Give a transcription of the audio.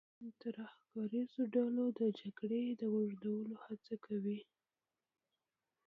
ترهګریزو ډلو د جګړې د اوږدولو هڅه کوي.